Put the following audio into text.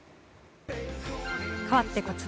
かわって、こちら。